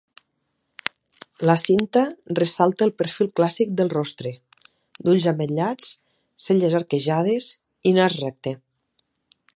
La cinta ressalta el perfil clàssic del rostre, d'ulls ametllats, celles arquejades i nas recte.